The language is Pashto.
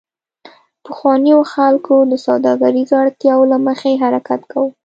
پخوانیو خلکو د سوداګریزو اړتیاوو له مخې حرکت کاوه